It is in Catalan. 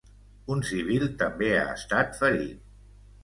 Un civil també ha estat ferit.